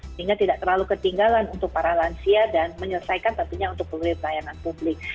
sehingga tidak terlalu ketinggalan untuk para lansia dan menyelesaikan tentunya untuk pelayanan publik